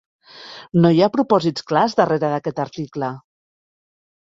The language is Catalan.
No hi ha propòsits clars darrere d'aquest article.